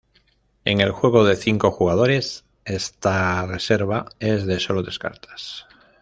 En el juego de cinco jugadores esta reserva es de sólo tres cartas.